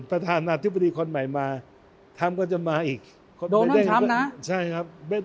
ประธานาธิบดีคนใหม่มาทำก็จะมาอีกโดนทำทำนะใช่ครับ